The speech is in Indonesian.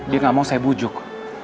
dia gak mau saya bujuk